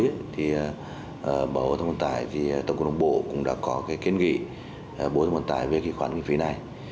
bộ giao thông vận tải và tổng cụ đồng bộ cũng đã có kiến nghị bộ giao thông vận tải về khoản lợi phí này